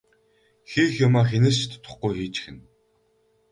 Хийх юмаа хэнээс ч дутахгүй хийчихнэ.